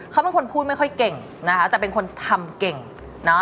เขาเป็นคนพูดไม่ค่อยเก่งนะคะแต่เป็นคนทำเก่งนะ